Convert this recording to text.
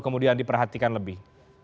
kemudian diperhatikan lebih